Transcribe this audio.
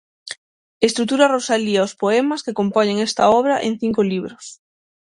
Estrutura Rosalía os poemas que compoñen esta obra en cinco libros.